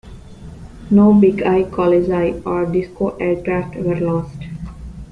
No Big Eye, College Eye, or Disco aircraft were lost.